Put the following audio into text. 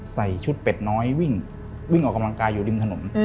ใส่ชุดเป็ดน้อยวิ่งวิ่งออกกำลังกายอยู่ริมถนน